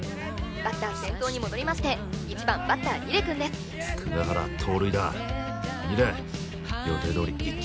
バッター先頭に戻りまして１番バッター楡くんです久我原盗塁だ楡予定どおり１球